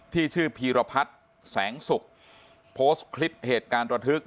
ที่ชื่อพีรพัฒน์แสงสุกโพสต์คลิปเหตุการณ์ระทึก